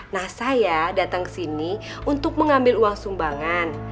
nah saya datang kesini untuk mengambil uang sumbangan